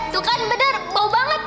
tuh kan bener bau banget